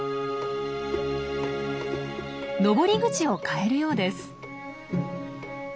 登り口を変えるようです。